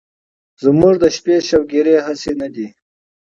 زمونږ د شپې شوګيرې هسې نه دي